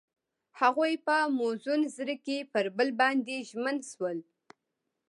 هغوی په موزون زړه کې پر بل باندې ژمن شول.